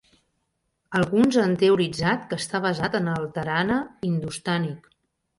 Alguns han teoritzat que està basat en el "tarana" hindustànic.